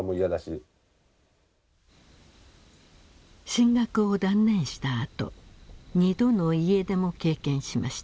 進学を断念したあと２度の家出も経験しました。